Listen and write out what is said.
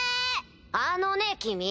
あのね君。